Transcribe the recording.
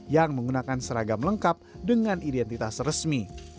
yang menggunakan seragam lengkap dengan identitas resmi